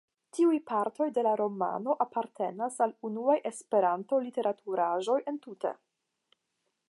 Tiuj partoj de la romano apartenas al la unuaj Esperanto-literaturaĵoj entute.